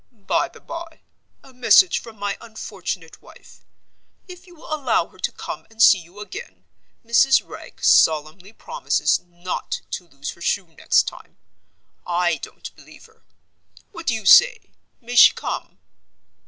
"By the by, a message from my unfortunate wife. If you will allow her to come and see you again, Mrs. Wragge solemnly promises not to lose her shoe next time. I don't believe her. What do you say? May she come?"